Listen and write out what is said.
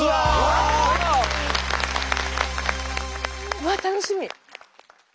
うわっ楽しみ。